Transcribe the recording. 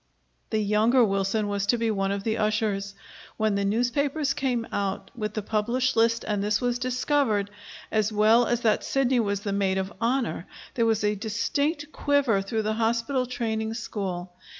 The younger Wilson was to be one of the ushers. When the newspapers came out with the published list and this was discovered, as well as that Sidney was the maid of honor, there was a distinct quiver through the hospital training school.